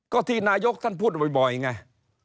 ก็ที่นายกท่านพูดบ่อยไง